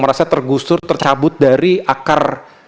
merasa tergusur tercabut dari akar